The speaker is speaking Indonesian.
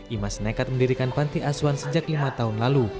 imas nekat mendirikan panti asuhan sejak lima tahun lalu